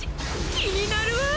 気になるわあ！